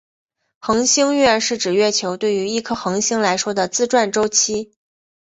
恒星月是指月球对于一颗恒星来说的自转周期。